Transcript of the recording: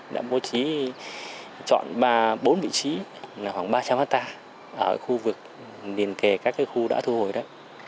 đã mô trí chọn bốn vị trí là khoảng ba trăm linh hectare ở khu vực điền kề các khu đã thu hồi đó